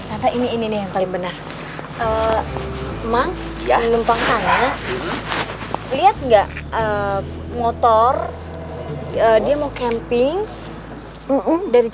ini nih ini nih yang paling bener